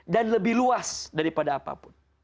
dan lebih luas daripada apapun